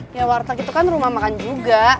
ya warteg itu kan rumah makan juga